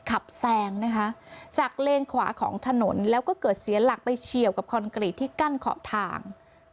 แซงนะคะจากเลนขวาของถนนแล้วก็เกิดเสียหลักไปเฉียวกับคอนกรีตที่กั้นขอบทาง